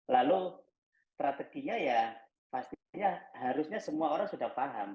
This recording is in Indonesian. lalu strateginya ya pastinya harusnya semua orang sudah paham